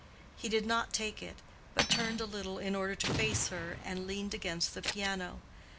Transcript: He did not take it, but turned a little in order to face her and leaned against the piano.